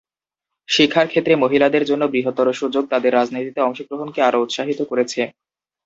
শিক্ষার ক্ষেত্রে মহিলাদের জন্য বৃহত্তর সুযোগ তাদের রাজনীতিতে অংশগ্রহণকে আরও উৎসাহিত করেছে।